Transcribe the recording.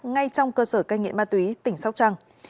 ngay trong cơ sở cây nghệ ma túy tỉnh sóc trăng